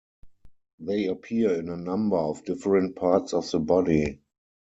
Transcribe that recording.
They appear in a number of different parts of the body.